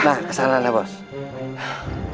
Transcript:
nah kesana boss